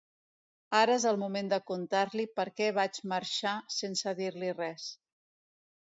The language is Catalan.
Ara és el moment de contar-li per què vaig marxar sense dir-li res.